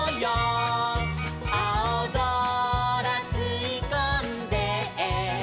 「あおぞらすいこんで」